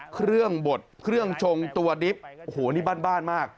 เครื่องบดเครื่องชงตัวดิบโอ้โหนี่บ้านมาก